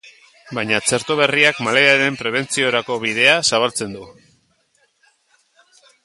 Baina txerto berriak malariaren prebentziorako bidea zabaltzen du.